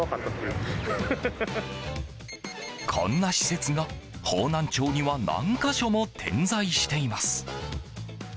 こんな施設が、方南町には何か所も点在しています。